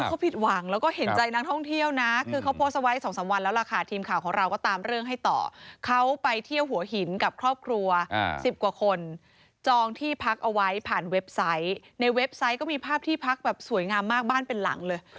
เขาผิดหวังแล้วก็เห็นใจนักท่องเที่ยวนะคือเขาโพสต์เอาไว้๒๓วันแล้วล่ะค่ะทีมข่าวของเราก็ตามเรื่องให้ต่อเขาไปเที่ยวหัวหินกับครอบครัว๑๐กว่าคนจองที่พักเอาไว้ผ่านเว็บไซต์ในเว็บไซต์ก็มีภาพที่พักแบบสวยงามมากบ้านเป็นหลังเลย